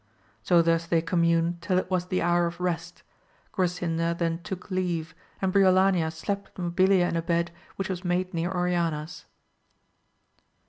So thus they communed till it was the hour of rest, Grasinda then took leave, and Briolania slept with Mabilia in a bed which was made near Oriana's.